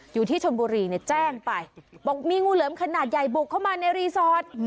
อยู่ที่ชนบุรีเนี่ยแจ้งไปบอกมีงูเหลือมขนาดใหญ่บุกเข้ามาในรีสอร์ท